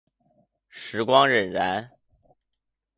时光荏苒。